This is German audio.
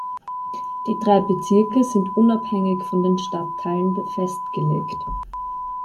Die drei Bezirke sind unabhängig von den Stadtteilen festgelegt.